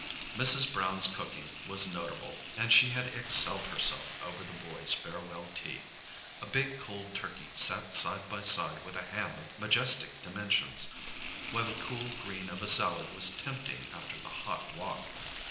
Mrs. Brown's cooking was notable, and she had excelled herself over the boys' farewell tea. A big cold turkey sat side by side with a ham of majestic dimensions, while the cool green of a salad was tempting after the hot walk.